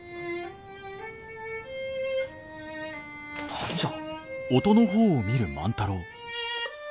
・何じゃ？